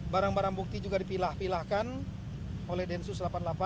barang barang bukti juga dipilah pilahkan oleh densus delapan puluh delapan